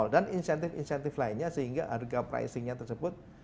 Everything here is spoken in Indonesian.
dan insentif insentif lainnya sehingga harga pricingnya tersebut